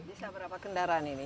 bisa berapa kendaraan ini